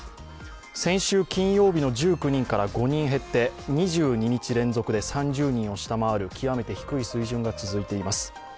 先週金曜日の１９人から５人減って２２日連続で３０人を下回る極めて低い水準が続いています。